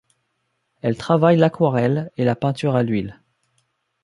Elle travaille l'aquarelle et la peinture à l'huile.